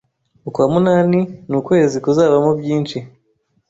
ukwa munani nukwezi kuzabamo byinshi